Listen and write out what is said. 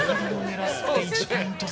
１ポイント差。